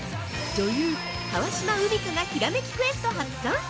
◆女優・川島海荷がひらめきクエスト初参戦。